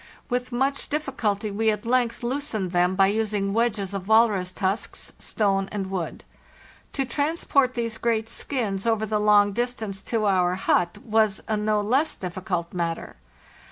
With much difficulty we at length loosened them by using wedges of walrus tusks, stone, and wood. 'To transport these great skins over the long distance to our hut was a no less difficult matter.